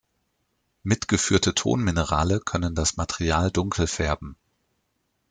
Mitgeführte Tonminerale können das Material dunkel färben.